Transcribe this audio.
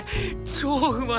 超うまい。